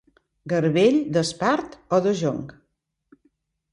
Garbell d'espart o de jonc.